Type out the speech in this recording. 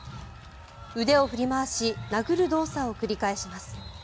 腕を振り回し殴る動作を繰り返します。